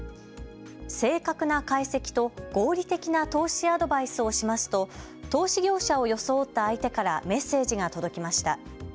正確な解析と合理的な投資アドバイスをしますと投資業者を装った相手からメッセージが届きました。